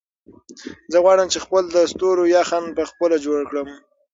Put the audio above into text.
زه غواړم چې خپل د ستورو یخن په خپله جوړ کړم.